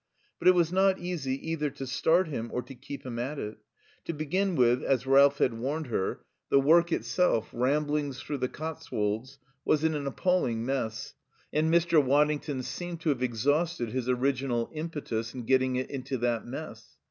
But it was not easy either to start him or to keep him at it. To begin with, as Ralph had warned her, the work itself, Ramblings Through the Cotswolds, was in an appalling mess, and Mr. Waddington seemed to have exhausted his original impetus in getting it into that mess.